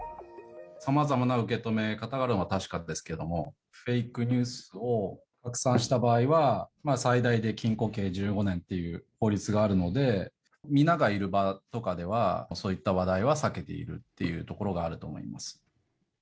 さまざまな受け止め方があるのは確かですけれども、フェイクニュースを拡散した場合は、最大で禁錮刑１５年という法律があるので、皆がいる場とかでは、そういった話題は避けているっていうところがあると思います。